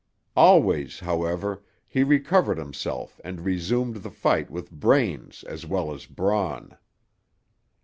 Always, however, he recovered himself and resumed the fight with brains as well as brawn.